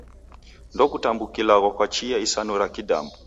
Ndokutambukilwagha kwa chia isanu ra kidamu.